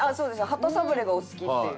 鳩サブレーがお好きっていう。